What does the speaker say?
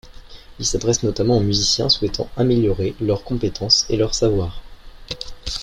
Il s’adresse notamment aux musiciens souhaitant améliorer leurs compétences et leur savoir.